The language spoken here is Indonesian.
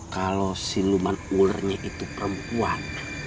kalo siluman ulernya itu perempuan